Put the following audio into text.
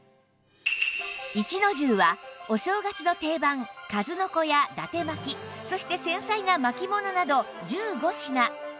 一の重はお正月の定番数の子や伊達巻そして繊細な巻物など１５品